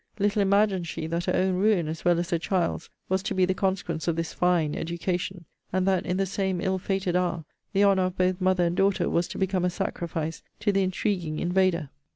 Little imagined she, that her own ruin, as well as her child's, was to be the consequence of this fine education; and that, in the same ill fated hour, the honour of both mother and daughter was to become a sacrifice to the intriguing invader.